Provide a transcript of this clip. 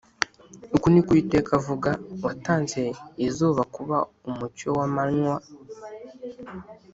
‘‘Uku niko Uwiteka avuga watanze izuba kuba umucyo w’amannywa